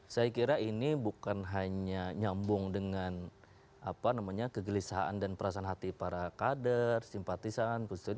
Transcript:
saya kira ini bukan hanya nyambung dengan kegelisahan dan perasaan hati para kader simpatisan